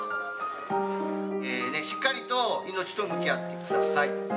しっかりと命と向き合ってください。